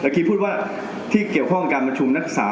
กีพูดว่าที่เกี่ยวข้องการประชุมนักศึกษา